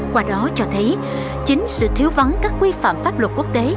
qua đó cho thấy chính sự thiếu vắng các quy phạm pháp luật quốc tế